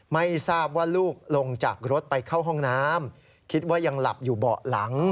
ไม่ทราบว่าลูกลงจากรถไปเข้าห้องน้ำคิดว่ายังหลับอยู่เบาะหลัง